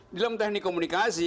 di dalam teknik komunikasi